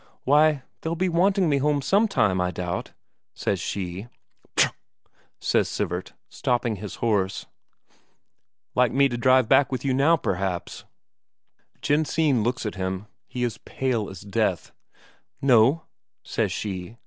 "Why, they'll be wanting me home some time, I doubt," says she. "Ptro!" says Sivert, stopping his horse. "Like me to drive back with you now, perhaps?" Jensine looks at him; he is pale as death. "No," says she.